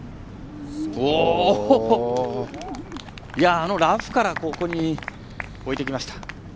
あのラフからここに置いてきました。